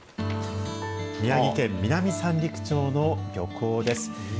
宮城県南三陸町の漁港です。